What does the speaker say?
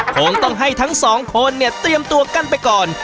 คงต้องให้ทั้งสองคนเนี่ยเตรียมตัวกันไปก่อน